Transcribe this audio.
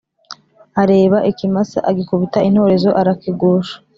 Areba ikimasa agikubita intorezo arakigusha